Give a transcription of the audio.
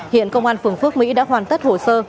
hiện công an phường phước mỹ đã hoàn tất hồ sơ